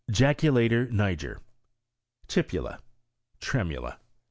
Jaculator niger. Tipula. Tremula.